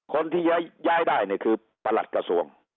คนที่ย้ายได้คือประหลักกระทรวง